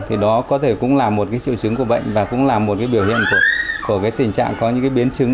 thì đó có thể cũng là một triệu chứng của bệnh và cũng là một biểu hiện của tình trạng có những biến chứng